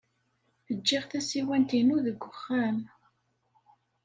Ǧǧiɣ tasiwant-inu deg uxxam.